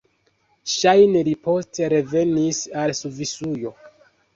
Ŝajne li poste revenis al Svisujo.